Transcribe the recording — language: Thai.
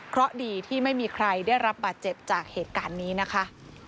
เพราะดีที่ไม่มีใครได้รับบาดเจ็บจากเหตุการณ์นี้นะคะ